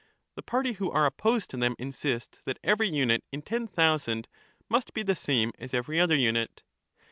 The party who are opposed to them insist that every unit in ten thousand must be the same as every other unit.